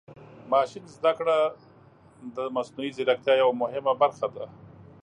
ماشین زده کړه د مصنوعي ځیرکتیا یوه مهمه برخه ده.